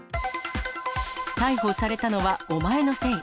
逮捕されたのはお前のせい。